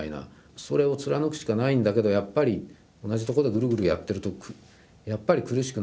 それを貫くしかないんだけどやっぱり同じとこでぐるぐるやってるとやっぱり苦しくなってくる。